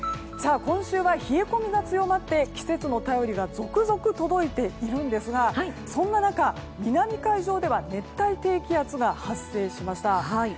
今週は冷え込みが強まって季節の便りが続々届いているんですがそんな中、南海上では熱帯低気圧が発生しました。